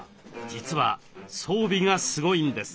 実は装備がすごいんです。